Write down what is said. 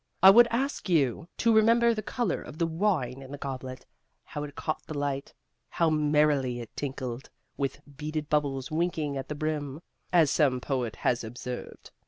I would ask you to remember the color of the wine in the goblet, how it caught the light, how merrily it twinkled with beaded bubbles winking at the brim, as some poet has observed.